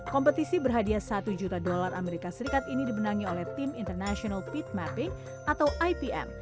kompetisi berhadiah satu juta dolar amerika serikat ini dibenangi oleh tim international feed mapping atau ipm